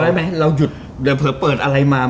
เราพอไว้มั้ยเราหยุดเดี๋ยวเผลอเปิดอะไรมามั้ย